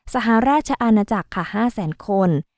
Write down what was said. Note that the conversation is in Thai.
สหราชอาณาจักรค่ะ๕๐๐๐๐๐คน